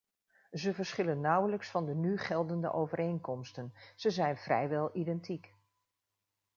Ze verschillen nauwelijks van de nu geldende overeenkomsten, ze zijn vrijwel identiek.